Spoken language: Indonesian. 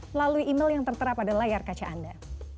melalui email yang tertera pada layar kaca anda